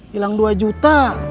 hilang dua juta